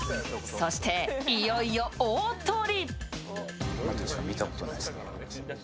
そして、いよいよ大トリ。